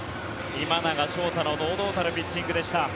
今永昇太の堂々たるピッチングでした。